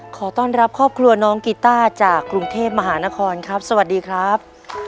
ขอต้อนรับครอบครัวน้องกีต้าจากกรุงเทพมหานครครับสวัสดีครับ